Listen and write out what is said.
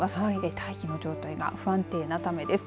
大気の状態が不安定なためです。